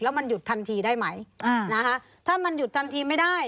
แล้วมันหยุดทันทีได้ไหมอ่านะคะถ้ามันหยุดทันทีไม่ได้